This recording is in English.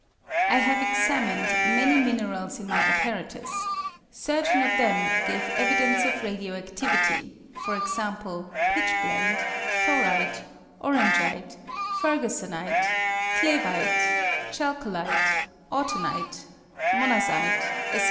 I have examined many minerals in my apparatus ; certain of them gave evidence of radio adivity, f.^., pitchblende, thorite, orangite, fergusonite, cleveite, chalcolite, autunite, monazite, &c.